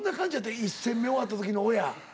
１戦目終わった時の親。